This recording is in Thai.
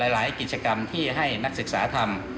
หลายกิจกรรมที่ให้นักศึกษาทำ